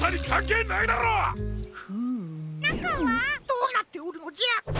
どうなっておるのじゃ？